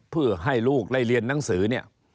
เพื่อให้ลูกได้เรียนหนังสือเนี่ย